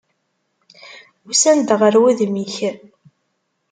Usan-d ɣer wudem-ik.